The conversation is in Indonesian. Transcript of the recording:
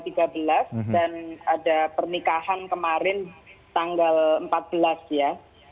dan ada pernikahan kemarin tanggal empat belas ya